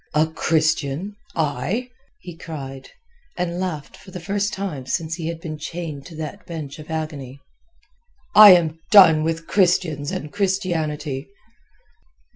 "A Christian I?" he cried, and laughed for the first time since he had been chained to that bench of agony. "I am done with Christians and Christianity!"